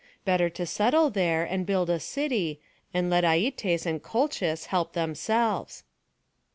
Better to settle there, and build a city, and let Aietes and Colchis help themselves."